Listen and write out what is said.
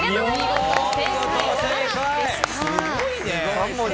すごいね。